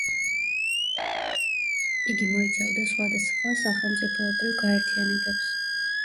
იგი მოიცავდა სხვადასხვა სახელმწიფოებრივ გაერთიანებებს.